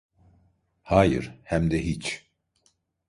Hayır, hem de hiç.